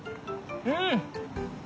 うん！